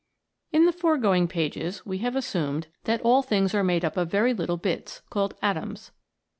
IN the foregoing pages we have assumed that all things are made up of very little bits, called atoms.